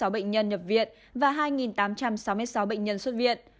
hai bốn mươi sáu bệnh nhân nhập viện và hai tám trăm sáu mươi sáu bệnh nhân xuất viện